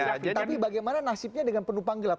tapi bagaimana nasibnya dengan penumpang gelap